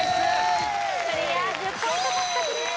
クリア１０ポイント獲得です